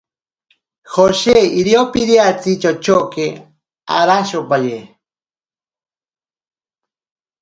Joshe ichopiriatsi chochoke arashopaye.